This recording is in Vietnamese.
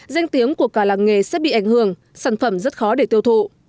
danh tiếng của cả làng nghề sẽ bị ảnh hưởng sản phẩm rất khó để tiêu thụ